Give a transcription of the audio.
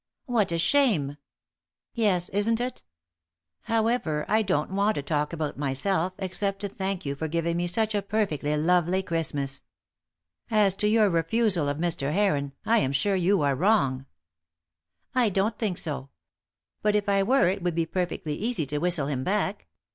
"What a shame!" "Yes, isn't it. However, I don't want to talk about myself, except to thank you for giving me such a perfectly lovely Christmas. As to your refusal of Mr. Heron, I am sure you are wrong." "I don't think so. But if I were it would be perfectly easy to whistle him back.